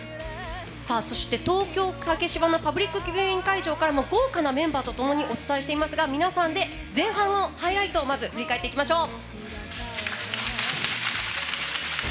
そして、東京・竹芝のパブリックビューイング会場から豪華なメンバーとともにお伝えしていますが皆さんで前半のハイライトを振り返っていきましょう。